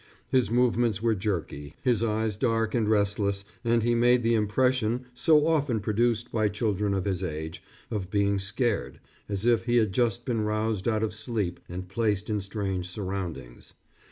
His movements were jerky, his eyes dark and restless, and he made the impression, so often produced by children of his age, of being scared, as if he had just been roused out of sleep and placed in strange surroundings.